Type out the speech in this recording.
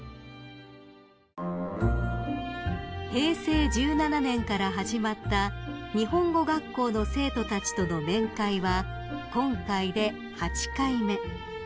［平成１７年から始まった日本語学校の生徒たちとの面会は今回で８回目］